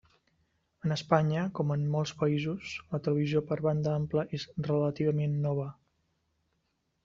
En Espanya, com en molts països, la televisió per banda ampla és relativament nova.